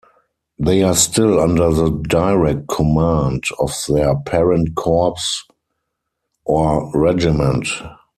They are still under the direct command of their parent corps or regiment.